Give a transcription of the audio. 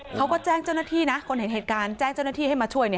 เขาก็แจ้งเจ้าหน้าที่นะคนเห็นเหตุการณ์แจ้งเจ้าหน้าที่ให้มาช่วย